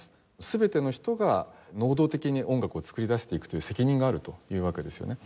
全ての人が能動的に音楽を作り出していくという責任があるというわけですよね。